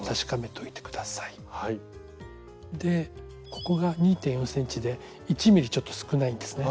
ここが２．４ｃｍで１ｍｍちょっと少ないんですね。